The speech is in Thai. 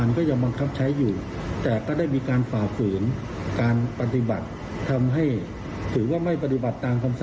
นี่แหละค่ะ